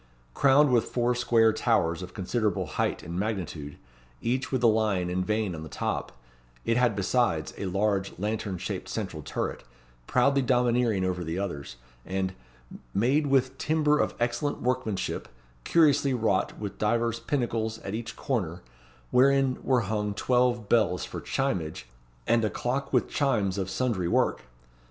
Crowned with four square towers of considerable height and magnitude, each with a lion and vane on the top; it had besides, a large, lantern shaped central turret, proudly domineering over the others, and "made with timber of excellent workmanship, curiously wrought with divers pinnacles at each corner, wherein were hung twelve bells for chimage, and a clock with chimes of sundry work."